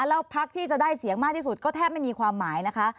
แล้วพักที่จะได้เสียงมากที่สุดก็แทบไม่มีความหมายนะคะ